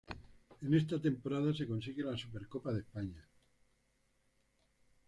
En esta temporada se consigue la Supercopa de España.